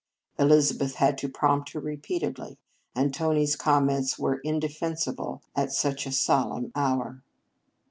Elizabeth had to prompt her repeatedly, and Tony s comments were indefensible at such a solemn hour.